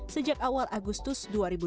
sejak awal agustus dua ribu dua puluh